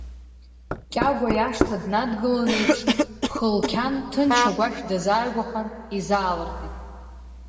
Кьагәа иашҭа днадгылон еиԥш, Хылқьан ҭынч агәашә дазааигәахан, изаалыртит.